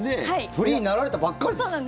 フリーになられたばっかりです。